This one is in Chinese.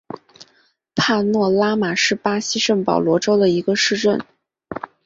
帕诺拉马是巴西圣保罗州的一个市镇。